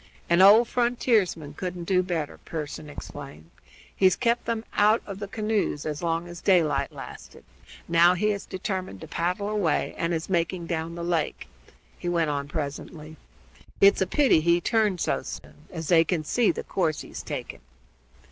"An old frontiersman couldn't do better," Pearson exclaimed. "He's kept them out of the canoe as long as daylight lasted; now he has determined to paddle away and is making down the lake," he went on presently. "It's a pity he turned so soon, as they can see the course he's taking."